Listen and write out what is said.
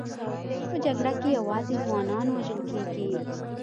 په جګړه کې یوازې ځوانان وژل کېږي